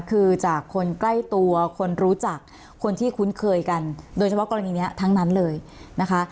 คือจากคนใกล้ตัวคนรู้จักคนที่คุ้นเคยกันโดยเฉพาะกรณีนี้ทั้งนั้นเลยนะคะ